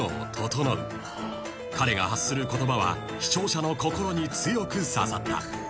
［彼が発する言葉は視聴者の心に強く刺さった］